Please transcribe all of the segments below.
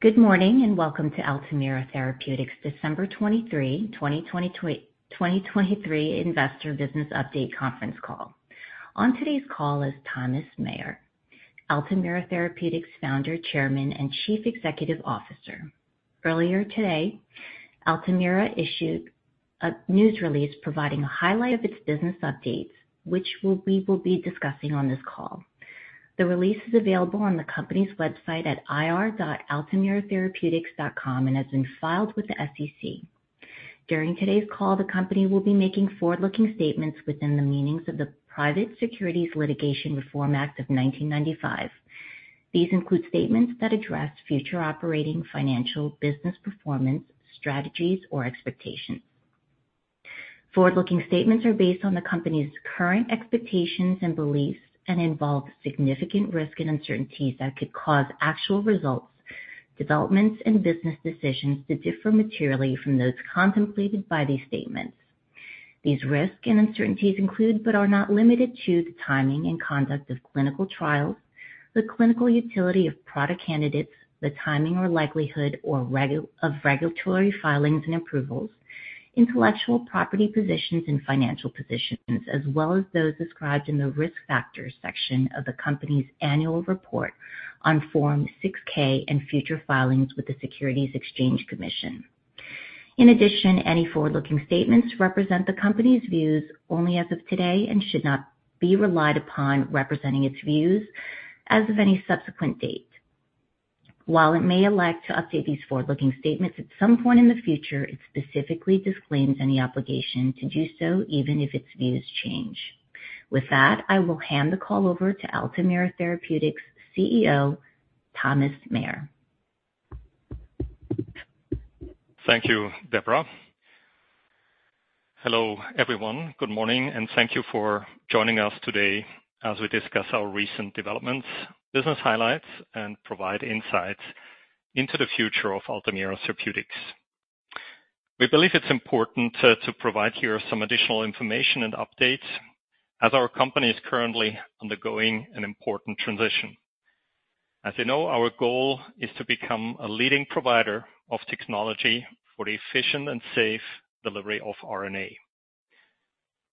Good morning, and welcome to Altamira Therapeutics December 23, 2023 Investor Business Update Conference Call. On today's call is Thomas Meyer, Altamira Therapeutics Founder, Chairman, and Chief Executive Officer. Earlier today, Altamira issued a news release providing a highlight of its business updates, which we will be discussing on this call. The release is available on the company's website at ir.altamiratherapeutics.com and has been filed with the SEC. During today's call, the company will be making forward-looking statements within the meanings of the Private Securities Litigation Reform Act of 1995. These include statements that address future operating, financial, business performance, strategies, or expectations. Forward-looking statements are based on the company's current expectations and beliefs and involve significant risk and uncertainties that could cause actual results, developments, and business decisions to differ materially from those contemplated by these statements. These risks and uncertainties include, but are not limited to, the timing and conduct of clinical trials, the clinical utility of product candidates, the timing or likelihood of regulatory filings and approvals, intellectual property positions and financial positions, as well as those described in the Risk Factors section of the company's annual report on Form 6-K and future filings with the Securities and Exchange Commission. In addition, any forward-looking statements represent the company's views only as of today and should not be relied upon representing its views as of any subsequent date. While it may elect to update these forward-looking statements at some point in the future, it specifically disclaims any obligation to do so, even if its views change. With that, I will hand the call over to Altamira Therapeutics CEO, Thomas Meyer. Thank you, Deborah. Hello, everyone. Good morning, and thank you for joining us today as we discuss our recent developments, business highlights, and provide insights into the future of Altamira Therapeutics. We believe it's important to provide here some additional information and updates as our company is currently undergoing an important transition. As you know, our goal is to become a leading provider of technology for the efficient and safe delivery of RNA.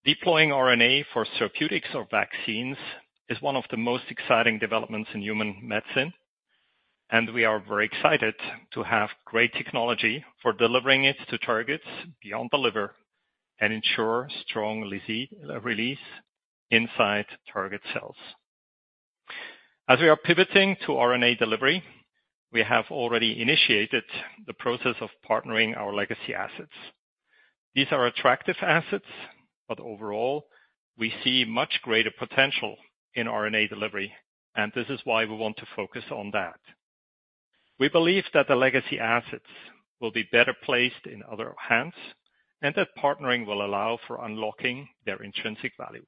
Deploying RNA for therapeutics or vaccines is one of the most exciting developments in human medicine, and we are very excited to have great technology for delivering it to targets beyond the liver and ensure strong lytic release inside target cells. As we are pivoting to RNA delivery, we have already initiated the process of partnering our legacy assets. These are attractive assets, but overall, we see much greater potential in RNA delivery, and this is why we want to focus on that. We believe that the legacy assets will be better placed in other hands and that partnering will allow for unlocking their intrinsic value.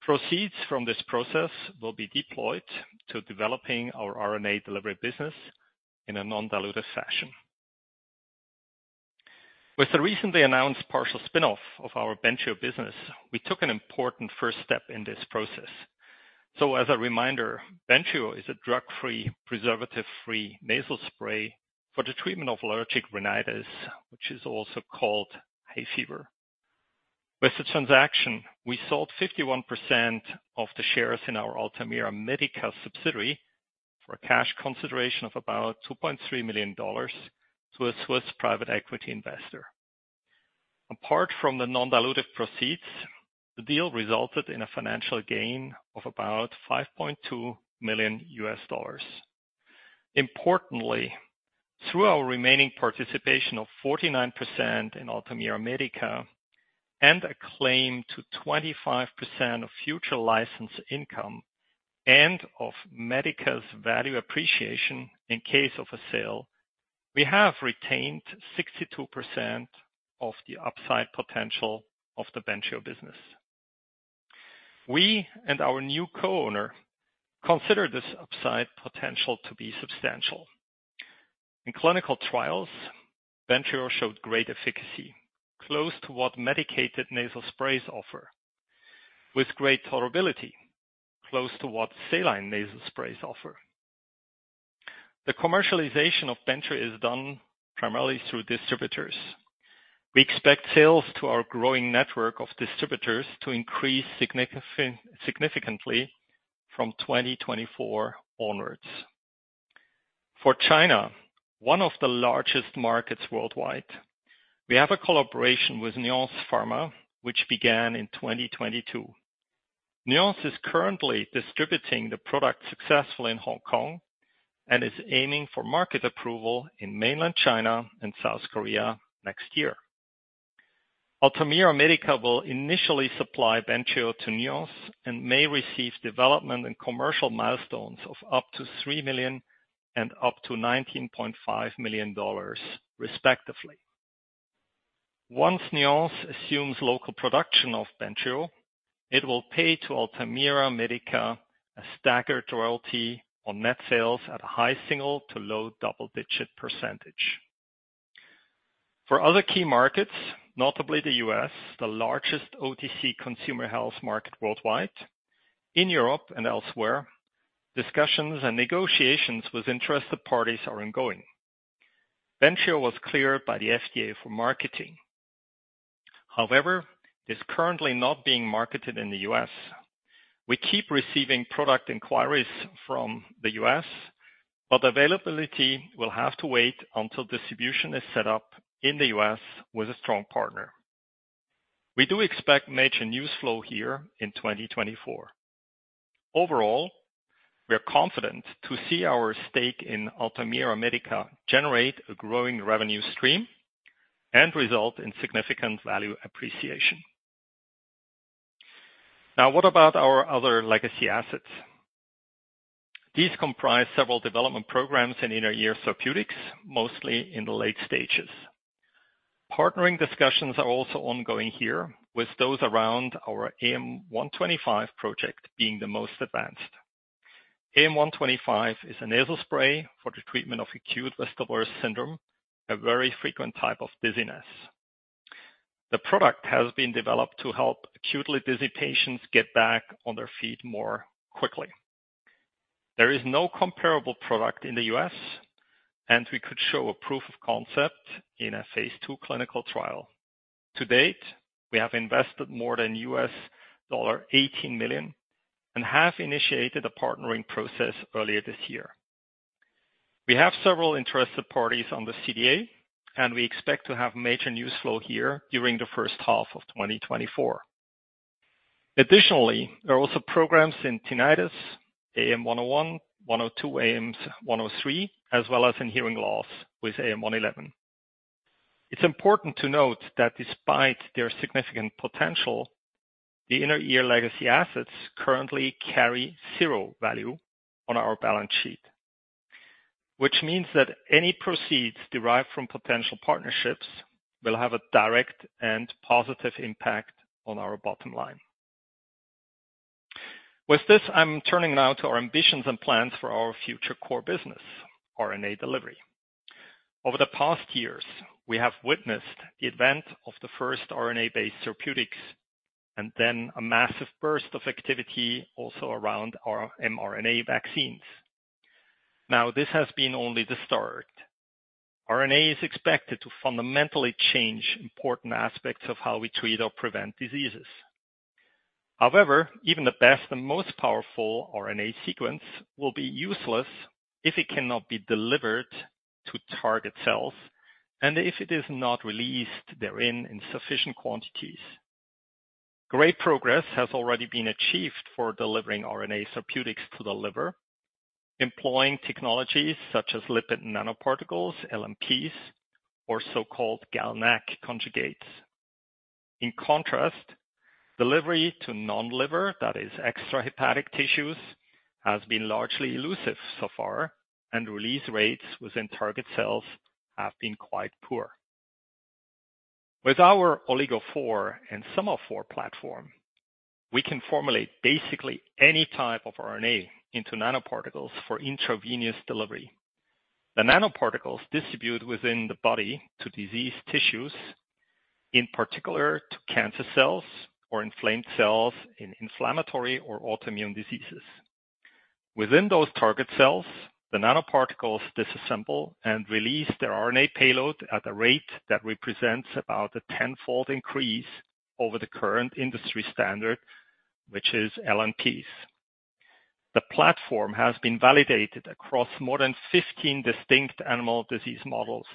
Proceeds from this process will be deployed to developing our RNA delivery business in a non-dilutive fashion. With the recently announced partial spin-off of our Bentrio business, we took an important first step in this process. So as a reminder, Bentrio is a drug-free, preservative-free nasal spray for the treatment of allergic rhinitis, which is also called hay fever. With the transaction, we sold 51% of the shares in our Altamira Medica subsidiary for a cash consideration of about $2.3 million to a Swiss private equity investor. Apart from the non-dilutive proceeds, the deal resulted in a financial gain of about $5.2 million. Importantly, through our remaining participation of 49% in Altamira Medica and a claim to 25% of future licensed income and of Medica's value appreciation in case of a sale, we have retained 62% of the upside potential of the Bentrio business. We and our new co-owner consider this upside potential to be substantial. In clinical trials, Bentrio showed great efficacy, close to what medicated nasal sprays offer, with great tolerability, close to what saline nasal sprays offer. The commercialization of Bentrio is done primarily through distributors. We expect sales to our growing network of distributors to increase significantly from 2024 onwards. For China, one of the largest markets worldwide, we have a collaboration with Nuance Pharma, which began in 2022. Nuance is currently distributing the product successfully in Hong Kong and is aiming for market approval in mainland China and South Korea next year. Altamira Medica will initially supply Bentrio to Nuance and may receive development and commercial milestones of up to $3 million and up to $19.5 million, respectively. Once Nuance assumes local production of Bentrio, it will pay to Altamira Medica a staggered royalty on net sales at a high single- to low double-digit %. For other key markets, notably the U.S., the largest OTC consumer health market worldwide, in Europe and elsewhere, discussions and negotiations with interested parties are ongoing. Bentrio was cleared by the FDA for marketing. However, it's currently not being marketed in the U.S. We keep receiving product inquiries from the U.S., but availability will have to wait until distribution is set up in the U.S. with a strong partner. We do expect major news flow here in 2024. Overall, we are confident to see our stake in Altamira Medica generate a growing revenue stream and result in significant value appreciation. Now, what about our other legacy assets? These comprise several development programs in inner ear therapeutics, mostly in the late stages. Partnering discussions are also ongoing here, with those around our AM-125 project being the most advanced. AM-125 is a nasal spray for the treatment of acute vestibular syndrome, a very frequent type of dizziness. The product has been developed to help acutely dizzy patients get back on their feet more quickly. There is no comparable product in the U.S., and we could show a proof of concept in a phase 2 clinical trial. To date, we have invested more than $18 million and have initiated a partnering process earlier this year. We have several interested parties on the CDA, and we expect to have major news flow here during the first half of 2024. Additionally, there are also programs in tinnitus, AM-101, AM-102, AM-103, as well as in hearing loss with AM-111. It's important to note that despite their significant potential, the inner ear legacy assets currently carry zero value on our balance sheet, which means that any proceeds derived from potential partnerships will have a direct and positive impact on our bottom line. With this, I'm turning now to our ambitions and plans for our future core business, RNA delivery. Over the past years, we have witnessed the event of the first RNA-based therapeutics, and then a massive burst of activity also around our mRNA vaccines. Now, this has been only the start. RNA is expected to fundamentally change important aspects of how we treat or prevent diseases. However, even the best and most powerful RNA sequence will be useless if it cannot be delivered to target cells and if it is not released therein in sufficient quantities. Great progress has already been achieved for delivering RNA therapeutics to the liver, employing technologies such as lipid nanoparticles, LNPs, or so-called GalNAc conjugates. In contrast, delivery to non-liver, that is extrahepatic tissues, has been largely elusive so far, and release rates within target cells have been quite poor. With our OligoPhore™ and SemaPhore™ platform, we can formulate basically any type of RNA into nanoparticles for intravenous delivery. The nanoparticles distribute within the body to disease tissues, in particular to cancer cells or inflamed cells in inflammatory or autoimmune diseases. Within those target cells, the nanoparticles disassemble and release their RNA payload at a rate that represents about a tenfold increase over the current industry standard, which is LNPs. The platform has been validated across more than 15 distinct animal disease models,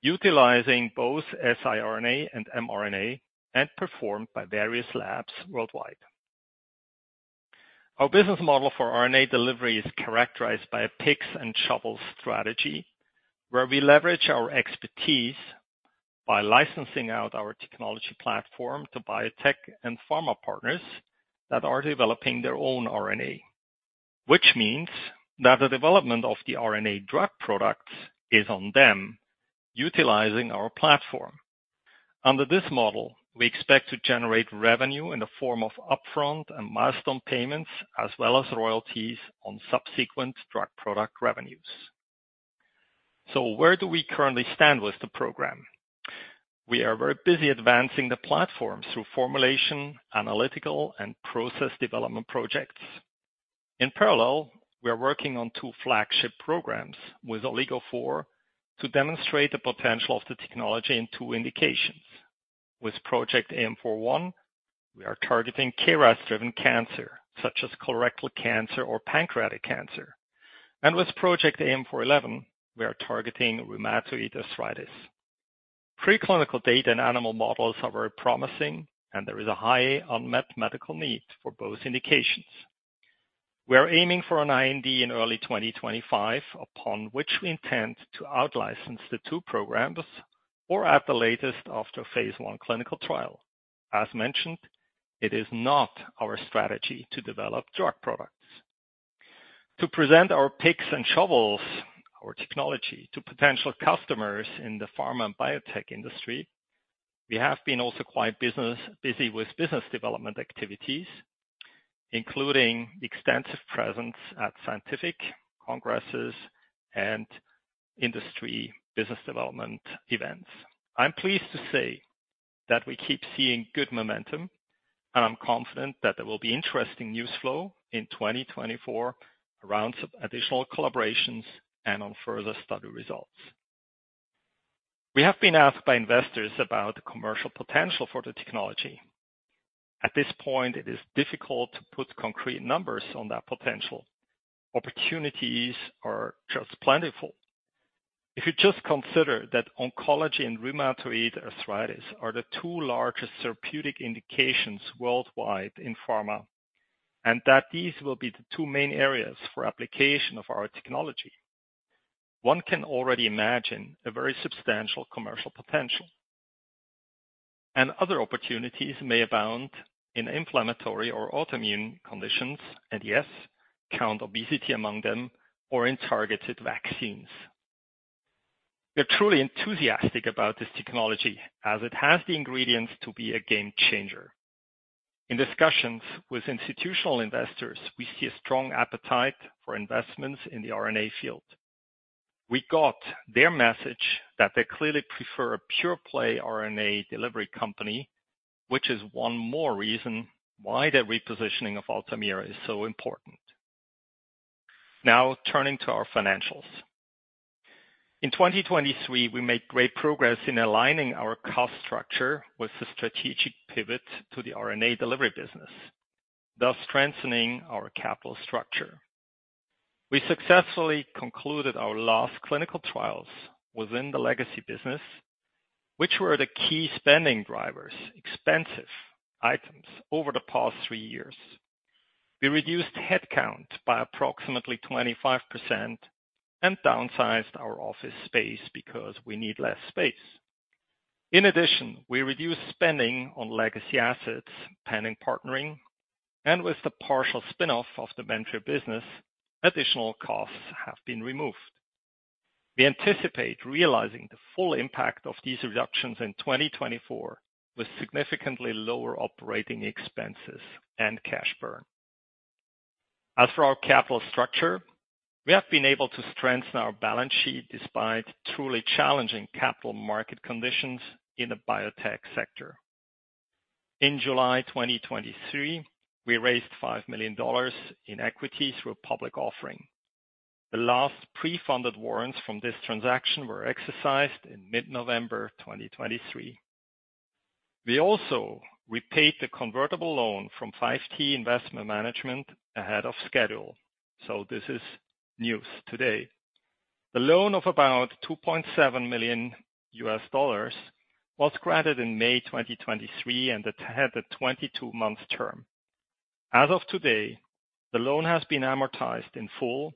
utilizing both siRNA and mRNA, and performed by various labs worldwide. Our business model for RNA delivery is characterized by a picks and shovels strategy, where we leverage our expertise by licensing out our technology platform to biotech and pharma partners that are developing their own RNA. Which means that the development of the RNA drug products is on them, utilizing our platform. Under this model, we expect to generate revenue in the form of upfront and milestone payments, as well as royalties on subsequent drug product revenues. So where do we currently stand with the program? We are very busy advancing the platform through formulation, analytical, and process development projects. In parallel, we are working on two flagship programs with OligoPhore™ to demonstrate the potential of the technology in two indications. With Project AM-401, we are targeting KRAS-driven cancer, such as colorectal cancer or pancreatic cancer, and with Project AM-411, we are targeting rheumatoid arthritis. Preclinical data and animal models are very promising, and there is a high unmet medical need for both indications. We are aiming for an IND in early 2025, upon which we intend to out-license the two programs or at the latest, after phase one clinical trial. As mentioned, it is not our strategy to develop drug products. To present our picks and shovels, our technology, to potential customers in the pharma and biotech industry, we have been also quite busy with business development activities, including extensive presence at scientific congresses and industry business development events. I'm pleased to say that we keep seeing good momentum, and I'm confident that there will be interesting news flow in 2024 around some additional collaborations and on further study results. We have been asked by investors about the commercial potential for the technology. At this point, it is difficult to put concrete numbers on that potential. Opportunities are just plentiful. If you just consider that oncology and rheumatoid arthritis are the two largest therapeutic indications worldwide in pharma, and that these will be the two main areas for application of our technology, one can already imagine a very substantial commercial potential. And other opportunities may abound in inflammatory or autoimmune conditions, and yes, count obesity among them or in targeted vaccines. We're truly enthusiastic about this technology as it has the ingredients to be a game changer. In discussions with institutional investors, we see a strong appetite for investments in the RNA field. We got their message that they clearly prefer a pure play RNA delivery company, which is one more reason why the repositioning of Altamira is so important. Now, turning to our financials. In 2023, we made great progress in aligning our cost structure with the strategic pivot to the RNA delivery business, thus strengthening our capital structure. We successfully concluded our last clinical trials within the legacy business, which were the key spending drivers, expensive items over the past three years. We reduced headcount by approximately 25% and downsized our office space because we need less space. In addition, we reduced spending on legacy assets, pending partnering, and with the partial spin-off of the Bentrio business, additional costs have been removed. We anticipate realizing the full impact of these reductions in 2024, with significantly lower operating expenses and cash burn. As for our capital structure, we have been able to strengthen our balance sheet despite truly challenging capital market conditions in the biotech sector. In July 2023, we raised $5 million in equity through a public offering. The last pre-funded warrants from this transaction were exercised in mid-November 2023. We also repaid the convertible loan from FiveT Investment Management ahead of schedule, so this is news today. The loan of about $2.7 million was granted in May 2023, and it had a 22-month term. As of today, the loan has been amortized in full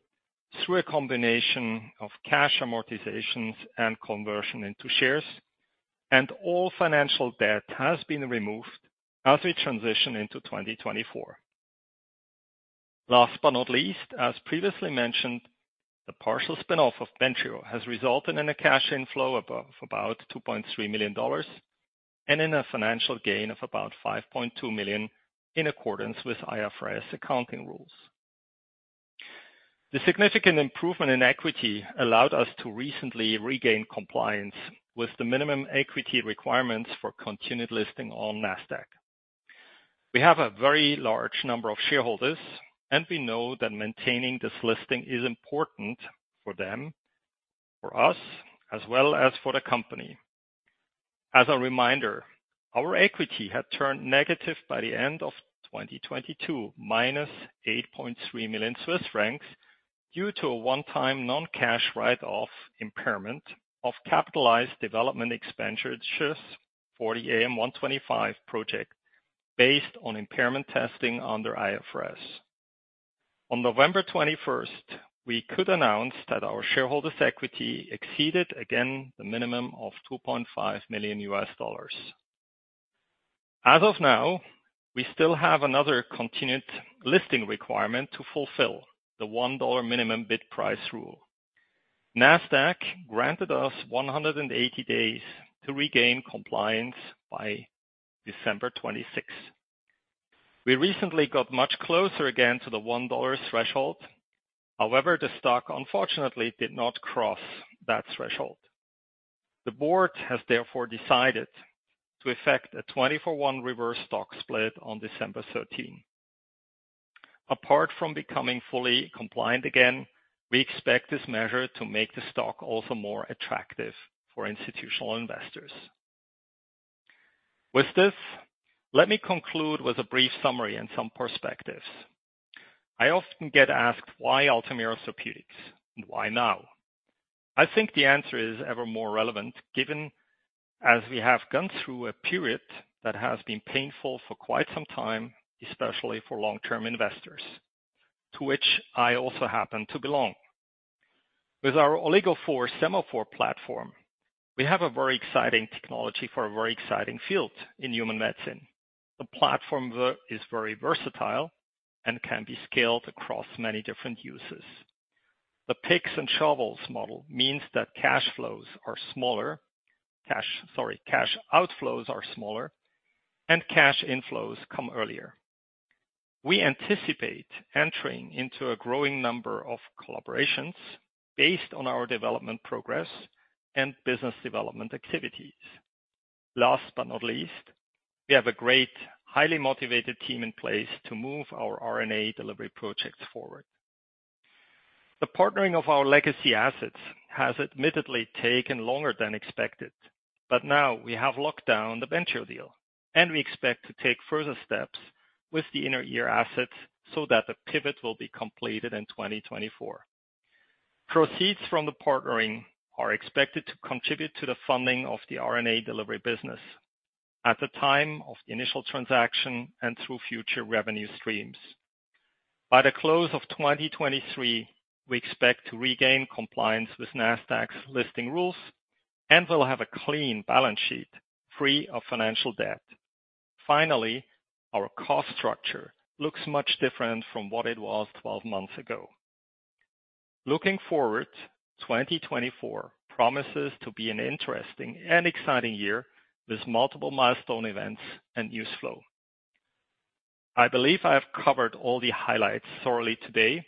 through a combination of cash amortizations and conversion into shares, and all financial debt has been removed as we transition into 2024. Last but not least, as previously mentioned, the partial spin-off of Bentrio has resulted in a cash inflow above about $2.3 million and in a financial gain of about $5.2 million, in accordance with IFRS accounting rules. The significant improvement in equity allowed us to recently regain compliance with the minimum equity requirements for continued listing on Nasdaq. We have a very large number of shareholders, and we know that maintaining this listing is important for them, for us, as well as for the company. As a reminder, our equity had turned negative by the end of 2022, -8.3 million Swiss francs, due to a one-time non-cash write-off impairment of capitalized development expenditures for the AM-125 project based on impairment testing under IFRS. On November 21st, we could announce that our shareholders' equity exceeded again the minimum of $2.5 million. As of now, we still have another continued listing requirement to fulfill, the $1 minimum bid price rule. Nasdaq granted us 180 days to regain compliance by December 26. We recently got much closer again to the $1 threshold. However, the stock unfortunately did not cross that threshold. The board has therefore decided to effect a 20-for-1 reverse stock split on December 13. Apart from becoming fully compliant again, we expect this measure to make the stock also more attractive for institutional investors. With this, let me conclude with a brief summary and some perspectives. I often get asked, why Altamira Therapeutics? Why now? I think the answer is ever more relevant, given as we have gone through a period that has been painful for quite some time, especially for long-term investors, to which I also happen to belong. With our OligoPhore™, SemaPhore™ platform, we have a very exciting technology for a very exciting field in human medicine. The platform is very versatile and can be scaled across many different uses. The picks and shovels model means that cash outflows are smaller, and cash inflows come earlier. We anticipate entering into a growing number of collaborations based on our development progress and business development activities. Last but not least, we have a great, highly motivated team in place to move our RNA delivery projects forward. The partnering of our legacy assets has admittedly taken longer than expected, but now we have locked down the Bentrio deal, and we expect to take further steps with the inner ear assets so that the pivot will be completed in 2024. Proceeds from the partnering are expected to contribute to the funding of the RNA delivery business at the time of the initial transaction and through future revenue streams. By the close of 2023, we expect to regain compliance with Nasdaq's listing rules and will have a clean balance sheet, free of financial debt. Finally, our cost structure looks much different from what it was 12 months ago. Looking forward, 2024 promises to be an interesting and exciting year with multiple milestone events and news flow. I believe I have covered all the highlights thoroughly today,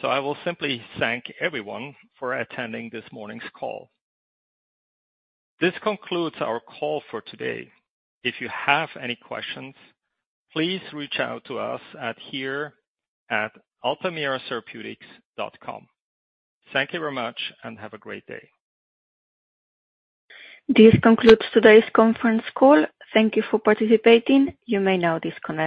so I will simply thank everyone for attending this morning's call. This concludes our call for today. If you have any questions, please reach out to us at ir@altamiratherapeutics.com. Thank you very much and have a great day. This concludes today's conference call. Thank you for participating. You may now disconnect.